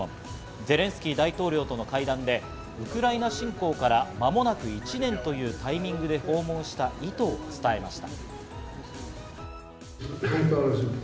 ゼレンスキー大統領との会談でウクライナ侵攻から間もなく１年というタイミングで訪問した意図を伝えました。